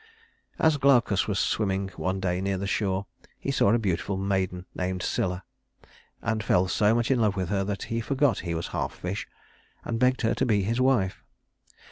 As Glaucus was swimming one day near the shore, he saw a beautiful maiden named Scylla; and fell so much in love with her that he forgot he was half fish, and begged her to be his wife.